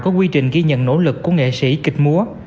có quy trình ghi nhận nỗ lực của nghệ sĩ kịch múa